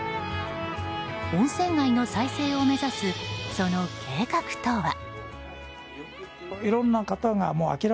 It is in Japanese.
温泉街の再生を目指すその計画とは。